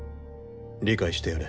理解してやれ。